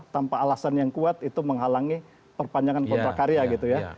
tanpa alasan yang kuat itu menghalangi perpanjangan kontrak karya gitu ya